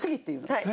はい。